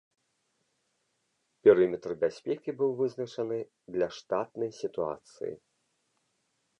Перыметр бяспекі быў вызначаны для штатнай сітуацыі.